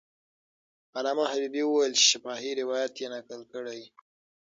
علامه حبیبي وویل چې شفاهي روایت یې نقل کړی.